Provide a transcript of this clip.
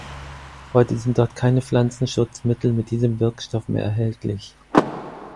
Heute sind dort keine Pflanzenschutzmittel mit diesem Wirkstoff mehr erhältlich.